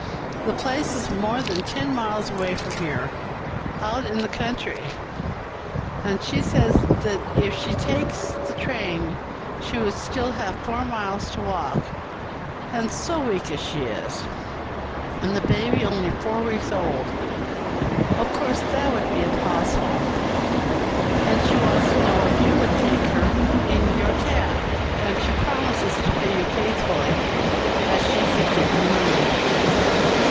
The place is more than ten miles away from here, out in the country, and she says if she takes the train she should still have four miles to walk; and so weak as she is, and the baby only four weeks old, of course that would be impossible; and she wants to know if you would take her in your cab, and she promises to pay you faithfully, as she can get the money."